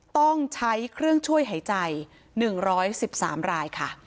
ต้องใช้เครื่องช่วยหายใจ๑๑๓รายค่ะ